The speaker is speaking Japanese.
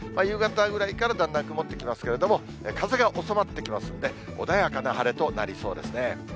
夕方ぐらいから、だんだん曇ってきますけれども、風が収まってきますんで、穏やかな晴れとなりそうですね。